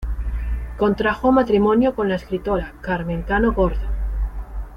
Contrajo matrimonio con la escritora Carmen Cano Gordón.